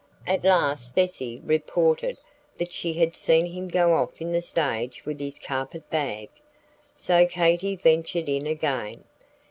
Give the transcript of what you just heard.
At last Cecy reported that she had seen him go off in the stage with his carpet bag, so Katy ventured in again.